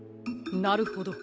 なるほど。